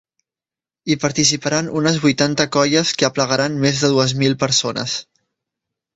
Hi participaran unes vuitanta colles que aplegaran més de dues mil persones.